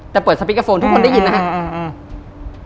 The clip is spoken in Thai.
แต่เปิดสปิกเกอร์โฟนทุกคนได้ยินนะครับ